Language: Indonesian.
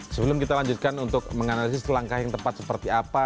sebelum kita lanjutkan untuk menganalisis langkah yang tepat seperti apa